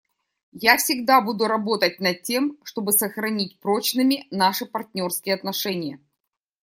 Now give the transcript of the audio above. Я всегда буду работать над тем, чтобы сохранить прочными наши партнерские отношения.